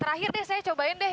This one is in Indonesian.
terakhir deh saya cobain deh